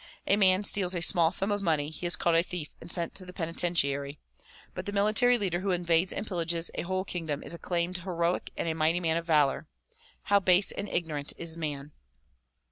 A man steals a small sum of money ; he is called a thief and sent to the penitentiary ; but the mili tary leader who invades and pillages a whole kingdom is acclaimed heroic and a mighty man of valor. How base and ignorant is man